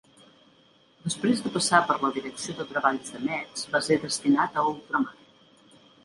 Després de passar per la Direcció de Treballs de Metz va ser destinat a ultramar.